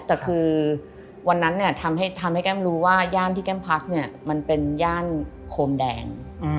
แต่คือวันนั้นเนี่ยทำให้แก้มรู้ว่าย่านที่แก้มพักเนี่ยมันเป็นย่านโคมแดง